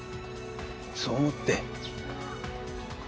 そう思って。